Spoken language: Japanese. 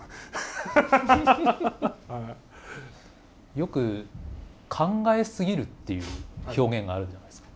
よく考えすぎるっていう表現があるじゃないですか。